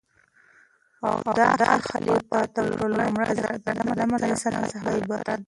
او داخليفه تر ټولو لومړى دحضرت ادم عليه السلام څخه عبارت دى